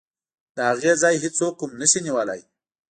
د هغې ځای هېڅوک هم نشي نیولی.